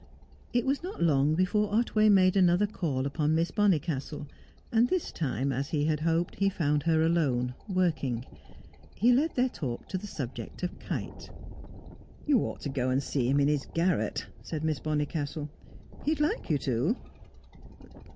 It was not long before Otway made another call upon Miss Bonnicastle, and at this time, as he had hoped, he found her alone, working. He led their talk to the subject of Kite. "You ought to go and see him in his garret," said Miss Bonnicastle. "He'd like you to."